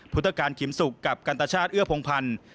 พุทธการขิมสุกกับกันตชาติเอื้อพงพันธ์